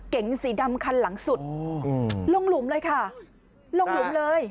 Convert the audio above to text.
สีดำคันหลังสุดลงหลุมเลยค่ะลงหลุมเลย